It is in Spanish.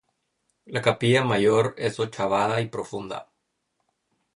La capilla mayor es ochavada y profunda.